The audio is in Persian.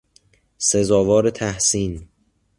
سزاوار تحسین